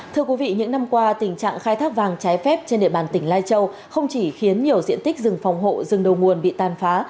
thưa quý vị những năm qua tình trạng khai thác vàng trái phép trên địa bàn tỉnh lai châu không chỉ khiến nhiều diện tích rừng phòng hộ rừng đầu nguồn bị tàn phá